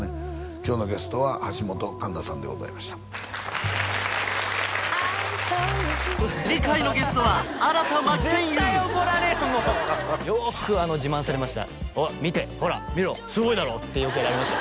今日のゲストは橋本環奈さんでございました次回のゲストは新田真剣佑よく自慢されました「見てほら見ろすごいだろ」ってよくやられました